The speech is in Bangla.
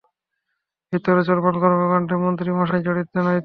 ভিতরে চলমান কর্মকাণ্ডে মন্ত্রী মশাই জড়িত নয় তো?